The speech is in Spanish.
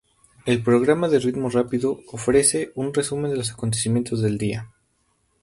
El programa de ritmo rápido ofrece un resumen de los acontecimientos del día.